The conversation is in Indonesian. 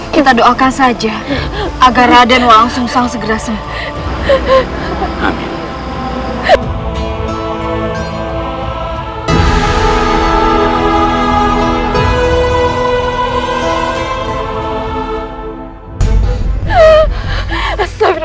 kita doakan saja agar akan terus disemburi